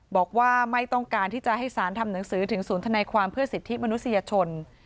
บอกว่าไม่ต้องการที่จะให้สารทำหนังสือถึงศูนย์ธนายความเพื่อสิทธิมนุษยชน